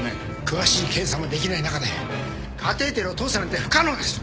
詳しい検査もできない中でカテーテルを通すなんて不可能です！